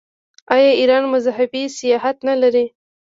آیا ایران مذهبي سیاحت نلري؟